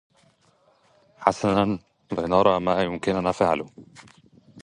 حسنا. لنرى ما بإمكاننا فعله.